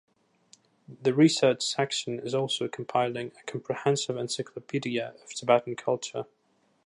The research section is also compiling a comprehensive encyclopedia of Tibetan culture.